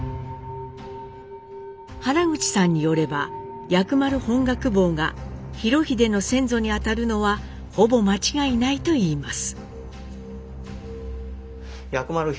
原口さんによれば薬丸本覚坊が裕英の先祖にあたるのはほぼ間違いないといいます。